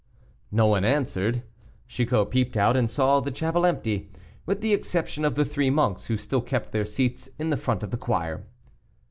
No one answered; Chicot peeped out and saw the chapel empty, with the exception of the three monks, who still kept their seats in front of the choir.